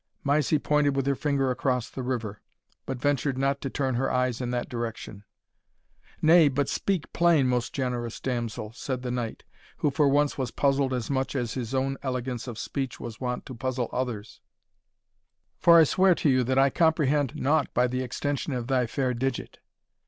Mysie pointed with her finger across the river, but ventured not to turn her eyes in that direction. "Nay, but speak plain, most generous damsel," said the knight, who, for once, was puzzled as much as his own elegance of speech was wont to puzzle others, "for I swear to you that I comprehend nought by the extension of thy fair digit."